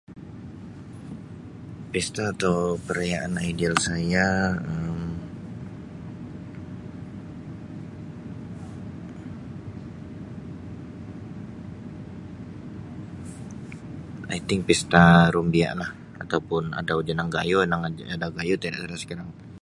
Pesta atau perayaan ideal saya Um i think Pesta Rumbia lah atau pun Adau Janang Gayuh, Adau Janang tiada sudah sekarang.